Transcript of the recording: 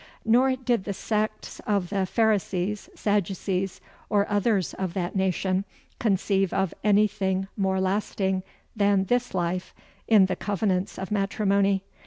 Nor did the sects of the Pharisees, Sadducees, or others of that nation, conceive of anything more lasting than this life, in the covenants of matrimony.